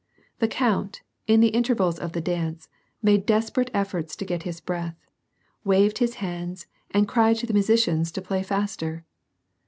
The count, in the intervals of the dance, made desperate efforts to get breath, waved his hands, and cried to the musi cians to play faster.